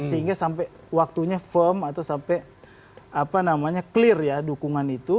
sehingga sampai waktunya firm atau sampai clear ya dukungan itu